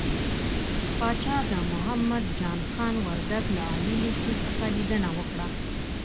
پاچا د محمد جان خان وردک له عالي لېسې څخه ليدنه وکړه .